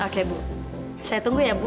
oke bu saya tunggu ya bu